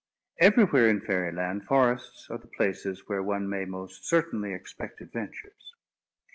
Everywhere in Fairy Land forests are the places where one may most certainly expect adventures.